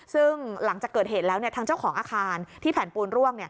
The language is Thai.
ซึ่งหลังจากเกิดเหตุแล้วทางเจ้าของอาคารที่แผ่นปูนร่วง